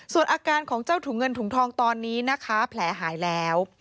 ส่วนอาการของเจ้าถุงเงินถุงทองตอนนี้นะคะแผลหายแล้ว